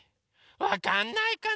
わかんないかな